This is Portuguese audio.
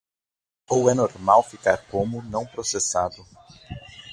Ou é normal ficar como "não processado"?